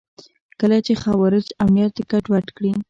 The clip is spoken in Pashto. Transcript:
کله چې خوارج امنیت ګډوډ کړي.